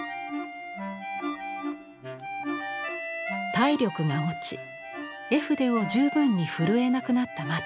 体力が落ち絵筆を十分に振るえなくなったマティス。